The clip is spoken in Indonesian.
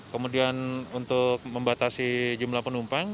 kemudian untuk membatasi jumlah penumpang